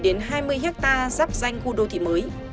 giáp danh khu đô thị mới